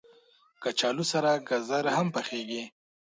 کچالو سره ګازر هم پخېږي